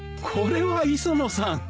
これは磯野さん。